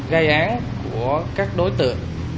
gây án của các đối tượng